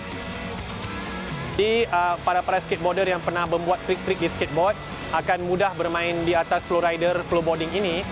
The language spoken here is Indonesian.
jadi para para skateboarder yang pernah membuat trik trik di skateboard akan mudah bermain di atas flowrider flowboarding ini